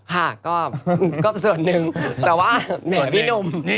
ค่ะก็ก็ส่วนหนึ่งแต่ว่าเหมือนกับพี่หนุ่ม